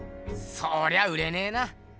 そりゃ売れねえな。